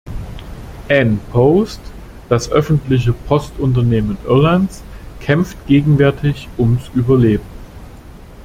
An Post, das öffentliche Postunternehmen Irlands kämpft gegenwärtig ums Überleben.